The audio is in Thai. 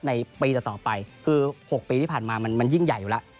ในปีต่อไปคือ๖ปีที่ผ่านมามันยิ่งใหญ่อยู่แล้ว